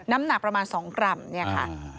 น้ำหนักประมาณ๒กรัมเนี่ยค่ะ